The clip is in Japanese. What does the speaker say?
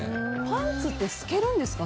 パンツって透けるんですか？